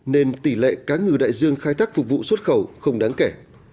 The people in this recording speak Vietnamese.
nên tỷ lệ cá ngừ đại dương khai thác phục vụ xuất khẩu không đáng kể